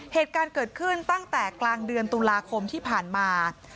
เหตุการณ์เกิดขึ้นตั้งแต่กลางเดือนตุลาคมที่ผ่านมา